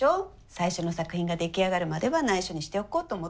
最初の作品が出来上がるまではないしょにしておこうと思って。